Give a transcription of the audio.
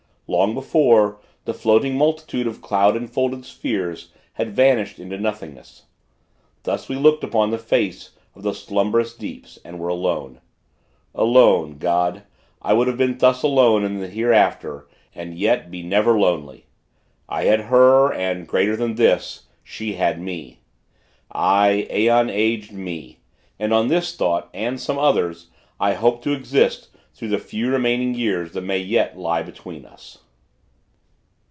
Long before, the floating multitude of cloud enfolded spheres had vanished into nothingness. Thus, we looked upon the face of the slumberous deeps, and were alone. Alone, God, I would be thus alone in the hereafter, and yet be never lonely! I had her, and, greater than this, she had me. Aye, aeon aged me; and on this thought, and some others, I hope to exist through the few remaining years that may yet lie between us.